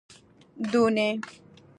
دونۍ